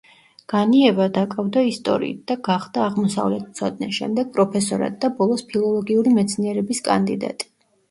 განიევა დაკავდა ისტორიით და გახდა აღმოსავლეთმცოდნე, შემდეგ პროფესორად და ბოლოს ფილოლოგიური მეცნიერების კანდიდატი.